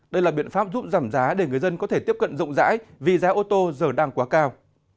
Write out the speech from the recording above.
đây là biện pháp giúp giảm giá để người dân có thể tiếp cận rộng rãi vì giá ô tô giờ đang quá cao